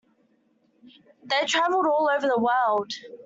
They traveled all over the world.